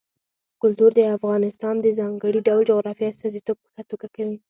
کلتور د افغانستان د ځانګړي ډول جغرافیې استازیتوب په ښه توګه کوي.